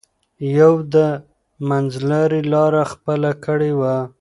ده د منځلارۍ لار خپله کړې وه.